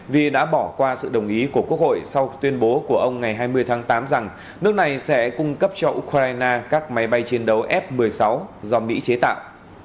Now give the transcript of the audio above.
vì đã bỏ qua sự đồng ý của quốc hội sau tuyên bố của ông ngày hai mươi tháng tám rằng nước này sẽ cung cấp cho ukraine các máy bay chiến đấu f một mươi sáu do mỹ chế tạo